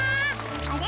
あれ？